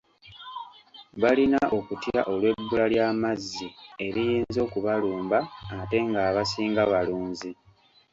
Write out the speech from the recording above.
Balina okutya olw’ebbula lya mazzi eriyinza okubalumba ate ng’abasinga balunzi.